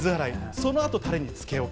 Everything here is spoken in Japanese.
その後、タレに漬け置き。